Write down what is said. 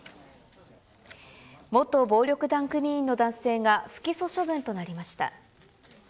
元暴力団組員の男性が不起訴処分となりました。